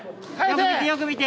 よく見てよく見て。